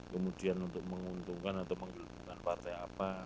kemudian untuk menguntungkan atau menggelembungkan partai apa